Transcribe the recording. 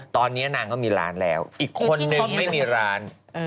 ตอนนี้นางก็มีร้านแล้วอีกคนนึงไม่มีร้าน